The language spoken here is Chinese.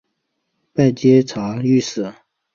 拜监察御史。